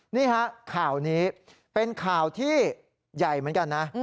นี่ฮะข่าวนี้เป็นข่าวที่ใหญ่เหมือนกันนะ